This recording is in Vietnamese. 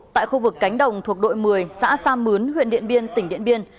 tại khu vực cánh đồng thuộc đội một mươi xã sa mướn huyện điện biên tỉnh điện biên